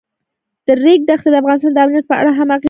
د ریګ دښتې د افغانستان د امنیت په اړه هم اغېز لري.